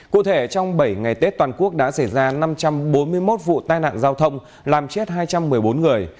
cụ thể trong bảy ngày tết toàn quốc đã xảy ra năm trăm bốn mươi một vụ tai nạn giao thông làm chết hai trăm một mươi bốn người